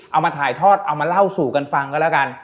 เอามาถ่ายทอดเอามาเล่าสู่กันฟังก็แล้วกัน